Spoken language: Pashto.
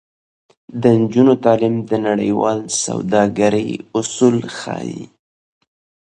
د نجونو تعلیم د نړیوال سوداګرۍ اصول ښيي.